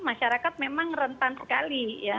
masyarakat memang rentan sekali ya